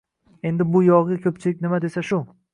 Endi bu yog‘iga ko‘pchilik nima desa shu